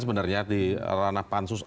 sebenarnya di ranah pansus